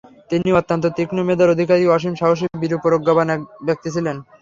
তিনি অত্যন্ত তীক্ষ্ম মেধার অধিকারী, অসীম সাহসী বীর ও প্রজ্ঞাবান ব্যক্তি ছিলেন।